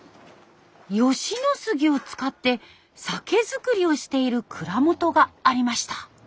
吉野スギを使って酒造りをしている蔵元がありました。